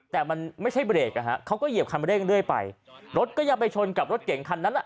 แต่มันไม่ใช่เบรกนะฮะเขาก็เหยียบคันเร่งเรื่อยไปรถก็ยังไปชนกับรถเก่งคันนั้นอ่ะ